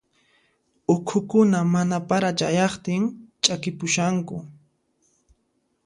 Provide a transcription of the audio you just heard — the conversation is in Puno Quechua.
Uqhukuna mana para chayaqtin ch'akipushanku.